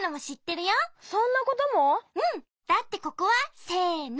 だってここはせの。